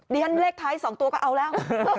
เลขท้าย๒ตัวก็เอาแล้ว